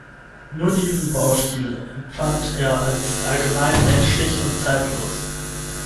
Nur diesen Baustil empfand er als allgemein menschlich und zeitlos.